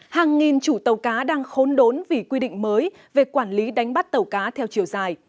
hàng nghìn chủ tàu cá đang khốn đốn vì quy định mới về quản lý đánh bắt tàu cá theo chiều dài